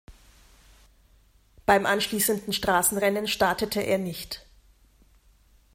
Beim anschließenden Straßenrennen startete er nicht.